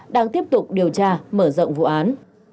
đang tiếp tục điều tra mở rộng vụ án